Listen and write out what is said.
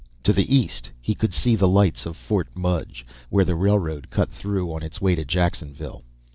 _ _To the east he could see the lights of Fort Mudge where the railroad cut through on its way to Jacksonville.